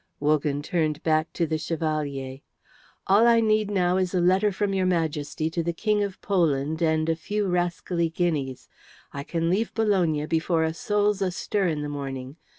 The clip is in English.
Wogan turned back to the Chevalier. "All that I need now is a letter from your Majesty to the King of Poland and a few rascally guineas. I can leave Bologna before a soul's astir in the morning.